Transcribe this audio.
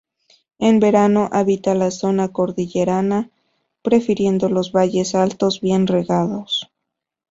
En verano, habita la zona cordillerana prefiriendo los valles altos bien regados.